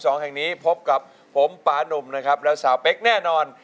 สองแห่งนี้พบกับผมปานุ่มนะครับและสาวเป๊กแน่นอน